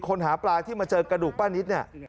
หาปลาที่มาเจอกระดูกป้านิตเนี่ย